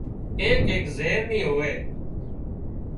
ايڪ ايڪ زهر نِي هوئي